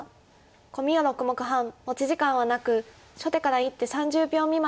コミは６目半持ち時間はなく初手から１手３０秒未満で打って頂きます。